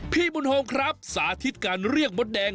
พี่บุญโฮมครับสาธิตการเรียกมดแดง